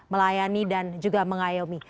melayani dan juga mengayomi